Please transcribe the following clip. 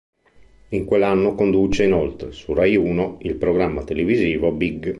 In quell'anno conduce inoltre, su RaiUno, il programma televisivo "Big!